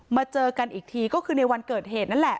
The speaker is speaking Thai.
เจอกันอีกทีก็คือในวันเกิดเหตุนั่นแหละ